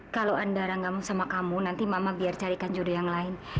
kalau andara gak mau sama kamu nanti mama biar carikan judul yang lain